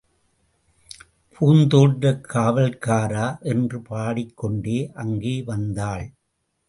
பூந்தோட்டக் காவல் காரா என்று பாடிக் கொண்டே அங்கே வந்தாள்.